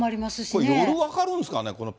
これ、夜、分かるんですかね？